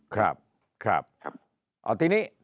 ครับเอาทีนี้